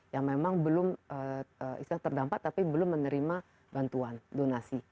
yang memang belum terdampak tapi belum menerima bantuan donasi